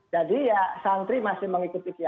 jadi ya santri masih mengikuti kianatnya ya